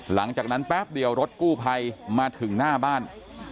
หลังจากนั้นแป๊บเดียวรถกู้ไภมาถึงหน้าบ้าน